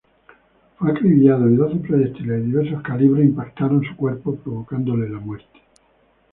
Fue acribillado y doce proyectiles de diversos calibres impactaron su cuerpo, provocándole la muerte.